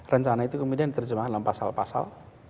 rencana itu kemudian diterjemahkan dalam pasal pasal